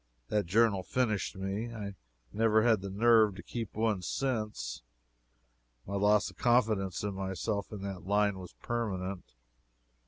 That journal finished me. I never have had the nerve to keep one since. My loss of confidence in myself in that line was permanent.